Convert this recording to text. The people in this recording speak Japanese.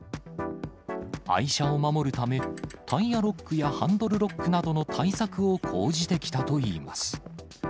愛車を守るため、タイヤロックやハンドルロックなどの対策を講じてきたといいます。